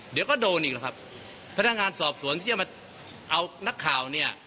เดี๋ยวก็โดนอีกแล้วครับพนักงานสอบสวนที่จะมาเอานักข่าวเนี่ย